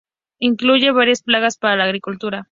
Incluye varias plagas para la agricultura.